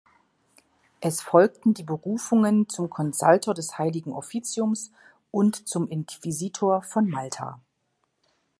Es folgten die Berufungen zum Konsultor des Heiligen Offiziums und zum Inquisitor von Malta.